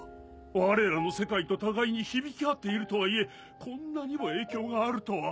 我らの世界と互いに響き合っているとはいえこんなにも影響があるとは。